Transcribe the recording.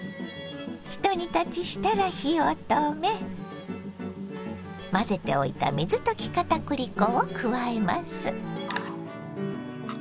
一煮立ちしたら火を止め混ぜておいた水溶きかたくり粉を加えます。